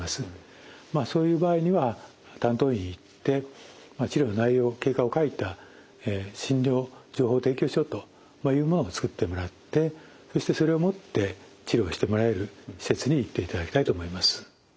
そういう場合には担当医に言って治療の内容経過を書いた診療情報提供書というものを作ってもらってそしてそれを持って治療してもらえる施設に行っていただきたいと思います。